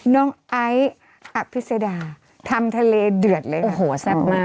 น้องไอซ์อภิษดาทำทะเลเดือดเลยโอ้โหแซ่บมาก